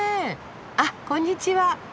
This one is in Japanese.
あっこんにちは。